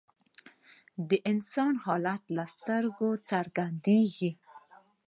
د انسان حالت له سترګو څرګندیږي